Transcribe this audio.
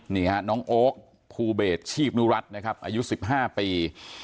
นี่ฮะน้องโอ๊คภูเบสชีพนุรัตินะครับอายุ๑๕ปี